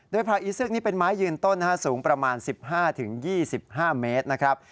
โดยผักอีเซือกนี้เป็นไม้ยืนต้นสูงประมาณ๑๕๒๕เมตรนะครับ